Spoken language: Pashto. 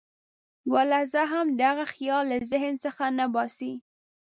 یوه لحظه هم دغه خیال له ذهن څخه نه باسي.